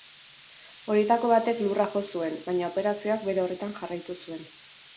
Horietako batek lurra jo zuen, baina operazioak bere horretan jarraitu zuen.